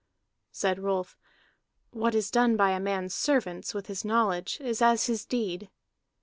Said Rolf: "What is done by a man's servants, with his knowledge, is as his deed."